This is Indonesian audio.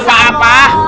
ah ya allah